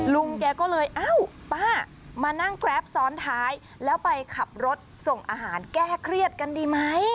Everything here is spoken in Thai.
ลุงแกก็เลยเอ้าป้ามานั่งแกรปซ้อนท้ายแล้วไปขับรถส่งอาหารแก้เครียดกันดีไหม